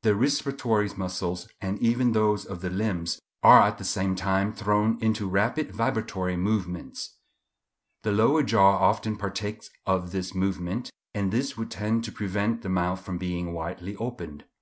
The respiratory muscles, and even those of the limbs, are at the same time thrown into rapid vibratory movements. The lower jaw often partakes of this movement, and this would tend to prevent the mouth from being widely opened.